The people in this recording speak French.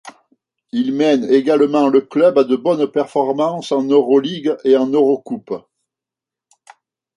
Il mène également le club à de bonnes performances en Euroligue et en EuroCoupe.